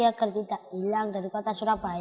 agar tidak hilang dari kota surabaya